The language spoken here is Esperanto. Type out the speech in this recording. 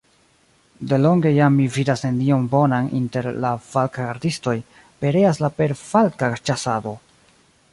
De longe jam mi vidas nenion bonan inter la falkgardistoj, pereas la perfalka ĉasado!